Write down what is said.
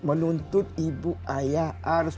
menuntut ibu ayah harus